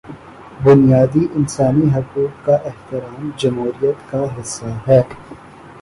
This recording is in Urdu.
بنیادی انسانی حقوق کا احترام جمہوریت کا حصہ ہے۔